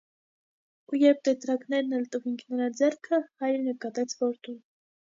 Ու երբ տետրակներն էլ տվինք նրա ձեռքը, հայրը նկատեց որդուն.